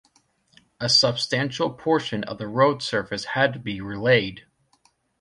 A substantial portion of the road surface had to be relaid.